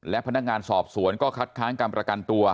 และพนักงานสอบสวนก็คัดค้างการประกันตัว